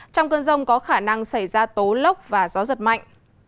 trong cơn rông có khả năng xảy ra tố lốc và gió giật mạnh